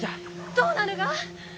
どうなるが！？